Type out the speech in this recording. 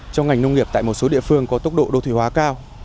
cho ngành nông nghiệp tại một số địa phương có tốc độ đô thủy hóa cao